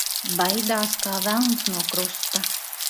Baidās kā velns no krusta.